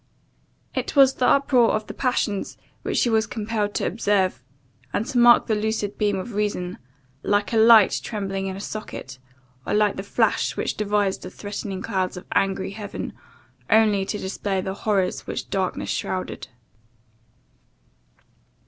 It was the uproar of the passions which she was compelled to observe; and to mark the lucid beam of reason, like a light trembling in a socket, or like the flash which divides the threatening clouds of angry heaven only to display the horrors which darkness shrouded.